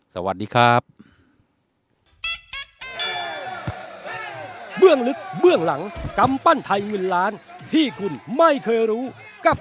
สวัสดีครับ